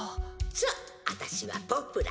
そう私はポプラ。